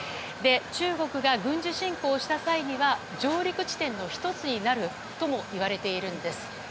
中国が軍事侵攻した際には上陸地点の１つになるともいわれているんです。